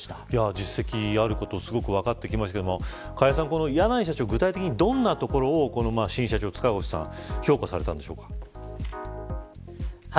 実績あることがすごく分かってきましたが柳井社長は具体的にどんなところを新社長の塚越さんを評価したんでしょうか。